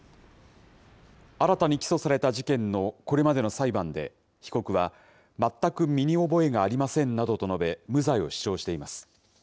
新たに起訴された事件のこれまでの裁判で、被告は、全く身に覚えがありませんなどと述べ、無罪を主張しています。